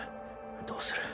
どうする？